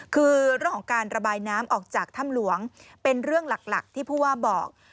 คือเรื่องของการระบายน้ำออกจากถ้ำหลวงเป็นเรื่องหลักที่ผู้ว่าบอก